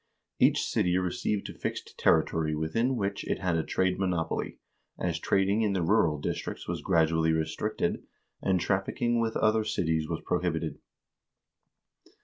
Each city received a fixed territory within which it had a trade monopoly, as trading in the rural districts was gradually restricted, and trafficking with other cities was prohibited.